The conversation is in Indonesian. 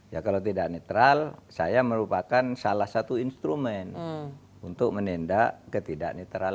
ya kalau tidak netral saya merupakan salah satu instrumen untuk menindek ke tidak netral